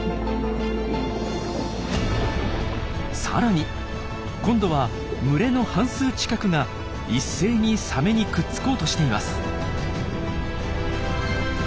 さらに今度は群れの半数近くが一斉にサメにくっつこうとしています。